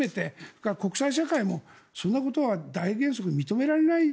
それから国際社会もそんなことは大原則で認められない。